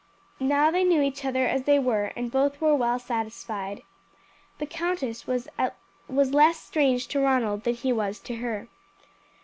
Now they knew each other as they were, and both were well satisfied. The countess was less strange to Ronald than he was to her.